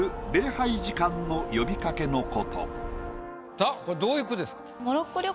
さぁこれどういう句ですか？